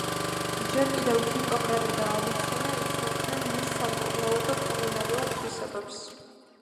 ჯერ კიდევ ჰიპოკრატე და ავიცენა იცნობდნენ მის სამკურნალო და კულინარიულ თვისებებს.